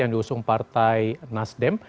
yang diusung partai nasdem